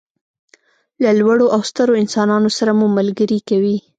له لوړو او سترو انسانانو سره مو ملګري کوي.